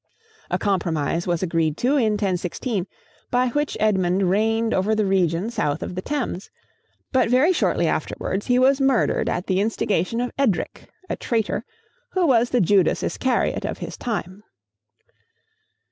] A compromise was agreed to in 1016, by which Edmund reigned over the region south of the Thames; but very shortly afterwards he was murdered at the instigation of Edric, a traitor, who was the Judas Iscariot of his time.